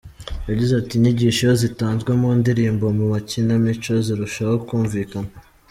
Yagize ati “Inyigisho iyo zitanzwe mu ndirimbo, mu makinamico zirushaho kumvikana.